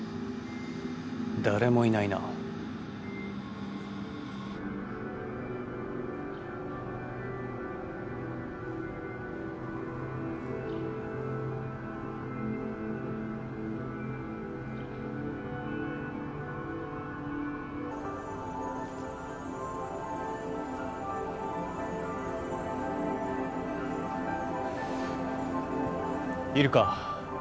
誰もいないな。いるか？